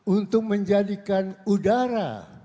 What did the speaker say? untuk menjadikan udara